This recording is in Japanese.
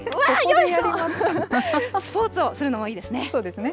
スポーツをするのもいいですね。